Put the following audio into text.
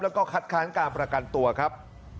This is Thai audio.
แล้วก็คัดค้านการประกันตัวครับ